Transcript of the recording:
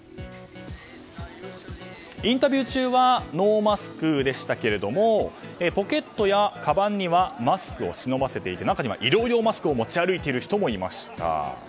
インタビュー中はノーマスクでしたけどもポケットやかばんにはマスクを忍ばせていて中には医療用マスクを持ち歩いている人もいました。